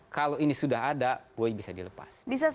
kalau ini sudah ada bui bisa dilepas